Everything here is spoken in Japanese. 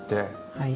はい。